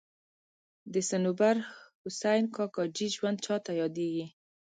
د صنوبر حسین کاکاجي ژوند چاته یادېږي.